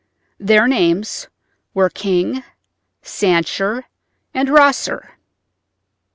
Their names were King, Sancher, and Rosser.